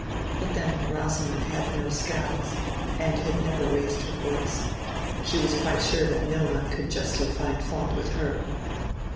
But then, Rosamond had no scowls and had never raised her voice: she was quite sure that no one could justly find fault with her.